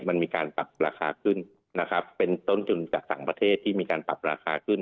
มันมีการปรับราคาขึ้นนะครับเป็นต้นทุนจากต่างประเทศที่มีการปรับราคาขึ้น